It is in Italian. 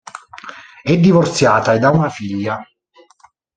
È divorziata ed ha una figlia.